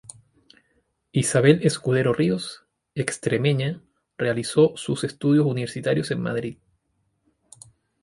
Isabel Escudero Ríos, extremeña, realizó sus estudios universitarios en Madrid.